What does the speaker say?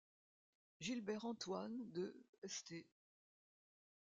Gilbert Antoine de St.